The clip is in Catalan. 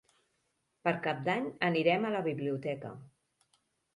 Per Cap d'Any anirem a la biblioteca.